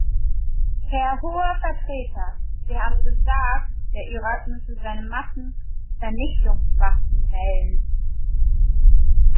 Herr Hoher Vertreter, Sie haben gesagt, der Irak müsse seine Massenvernichtungswaffen melden.